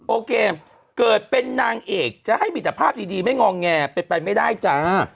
โอเคเกิดเป็นนางเอกจะให้มีแต่ภาพดีไม่งองแงเป็นไปไม่ได้จ้า